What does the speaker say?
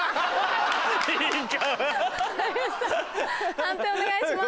判定お願いします。